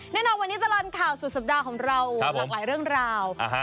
แน่นอนวันนี้ตลอดข่าวสุดสัปดาห์ของเราหลากหลายเรื่องราว